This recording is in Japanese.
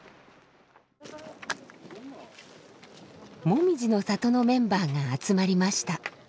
もみじの里のメンバーが集まりました。